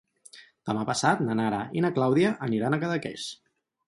Demà passat na Nara i na Clàudia aniran a Cadaqués.